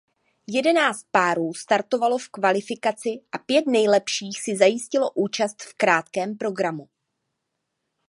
Jedenáct párů startovalo v kvalifikaci a pět nejlepších si zajistilo účast v krátkém programu.